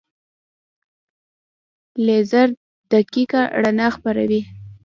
لیزر دقیقه رڼا خپروي.